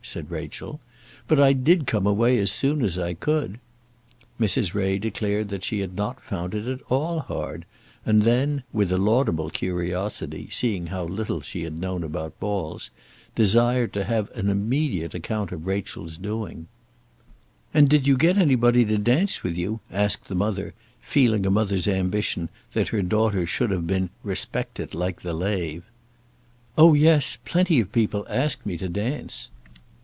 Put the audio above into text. said Rachel; "but I did come away as soon as I could." Mrs. Ray declared that she had not found it all hard, and then, with a laudable curiosity, seeing how little she had known about balls, desired to have an immediate account of Rachel's doings. "And did you get anybody to dance with you?" asked the mother, feeling a mother's ambition that her daughter should have been "respectit like the lave." "Oh, yes; plenty of people asked me to dance."